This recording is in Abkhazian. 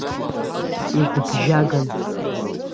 Игәыԥжәаган.